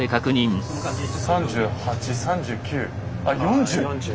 ３８３９あっ４０！